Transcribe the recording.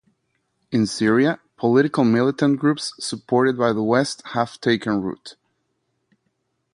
In Syria, political militant groups supported by the West have taken root.